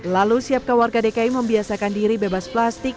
lalu siapkah warga dki membiasakan diri bebas plastik